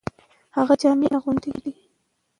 هغه جامي اغوندي .